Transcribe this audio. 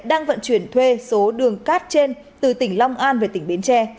đang vận chuyển thuê số đường cát trên từ tỉnh long an về tỉnh bến tre